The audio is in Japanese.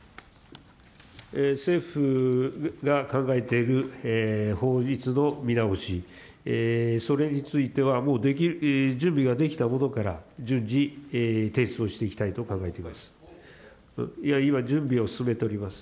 政府が考えている法律の見直し、それについては、もう準備ができたものから、順次、提出をしていきたいと考えております。